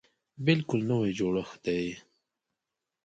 بلکل نوی جوړښت دی.